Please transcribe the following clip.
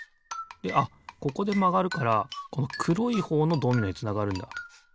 であっここでまがるからこのくろいほうのドミノにつながるんだ。